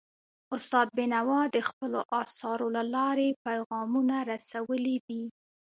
استاد بینوا د خپلو اثارو له لارې پیغامونه رسولي دي.